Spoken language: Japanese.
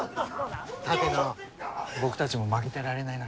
館野僕たちも負けてられないな。